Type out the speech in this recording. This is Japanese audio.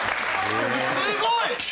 すごい！